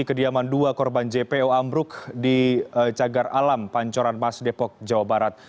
kediaman dua korban jpo ambruk di cagar alam pancoran mas depok jawa barat